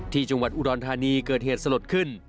ที่จังหวัดอุดรธานีเกิดเหตุสลดขึ้น